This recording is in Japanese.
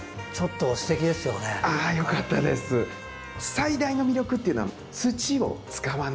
最大の魅力っていうのは土を使わない。